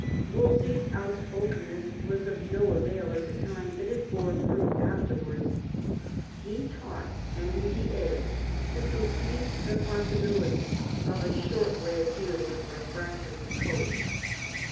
Wolsey's outspokenness was of no avail at the time, but it bore fruits afterwards. He taught Henry VHI. to conceive the possibility of a short way of dealing with refractory popes.